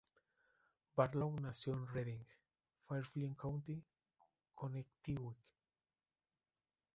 Barlow nació en Redding, Fairfield County, Connecticut.